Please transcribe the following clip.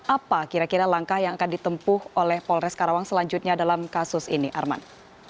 apa kira kira langkah yang akan ditempuh oleh polres karawang selanjutnya dalam kasus ini arman